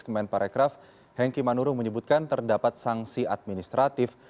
kemenparekraf henki manurung menyebutkan terdapat sanksi administratif